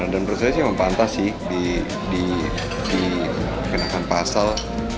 dan menurut saya sih memang pantas sih dikenakan pasal